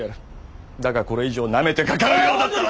だがこれ以上ナメてかかるようだったら。